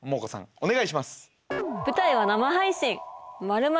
お願いします。